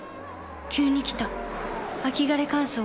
急に来た秋枯れ乾燥。